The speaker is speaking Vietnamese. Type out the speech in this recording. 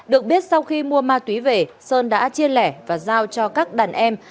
được biết sau khi mua ma túy về sơn đã chia lẻ và giao cho các đàn em